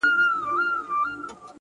دا ستا چي گراني ستا تصوير په خوب وويني _